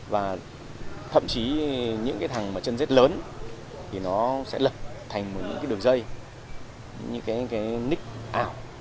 và thậm chí những cái thằng mà chân rết lớn thì nó sẽ lật thành những cái đường dây những cái nít ảo